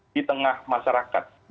di tengah masyarakat